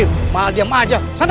pak man diam saja